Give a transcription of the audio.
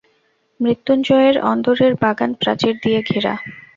মৃত্যুঞ্জয়ের অন্দরের বাগান প্রাচীর দিয়া ঘেরা ।